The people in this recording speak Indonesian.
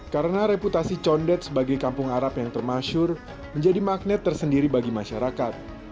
karena reputasi condet sebagai kampung arab yang termasyur menjadi magnet tersendiri bagi masyarakat